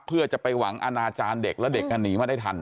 เพื่อจะไปหวังอนาจารย์เด็กแล้วเด็กหนีมาได้ทัน